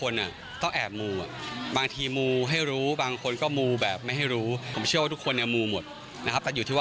แล้วก็มีคนดังคนไหนที่มีตัวเลขเนี่ย